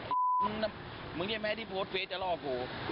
มึงมึงได้ไหมที่โพสต์เฟสจะล่อกู